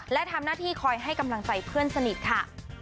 และทำหน้าที่คอยให้กำลังใจเพื่อนสนิทค่ะ